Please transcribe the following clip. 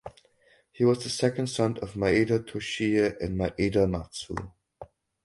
He was the second son of Maeda Toshiie and Maeda Matsu.